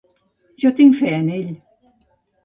Jo tinc fe en ell.